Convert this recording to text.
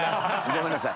ごめんなさい。